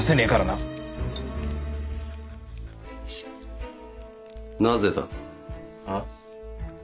なぜだ？あ？